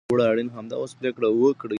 همدا اوس پرېکړه وکړئ.